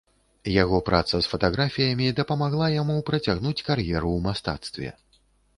Яго праца з фатаграфіямі дапамагла яму працягнуць кар'еру ў мастацтве.